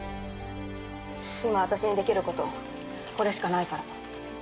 今私にできることこれしかないから。